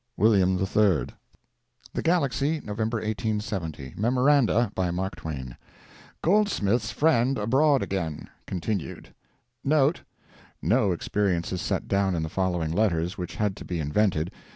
WILLIAM III THE GALAXY, November 1870 MEMORANDA. BY MARK TWAIN. GOLDSMITH'S FRIEND ABROAD AGAIN. [Continued.] [Note.—No experience is set down in the following letters which had to be invented.